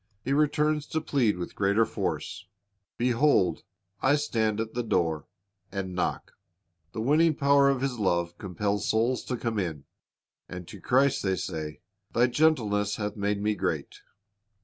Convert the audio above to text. He returns to plead with greater force, "Behold, I stand at the door, and knock." The winning power of His love compels souls to come in. And to Christ they say, "Thy gentleness hath made me great."